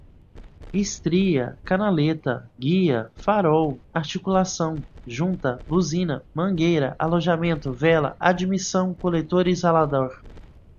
estria, canaleta, guia, farol, articulação, junta, buzina, mangueira, alojamento, vela, admissão, coletor, isolador